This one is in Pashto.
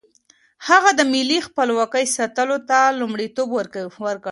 هغه د ملي خپلواکۍ ساتلو ته لومړیتوب ورکړ.